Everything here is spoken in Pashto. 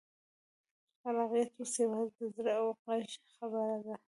خلاقیت اوس یوازې د زړه او غږ خبره ده.